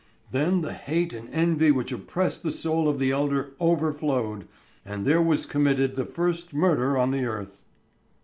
Then the hate and envy which oppressed the soul of the elder overflowed, and there was committed the first murder on the earth...."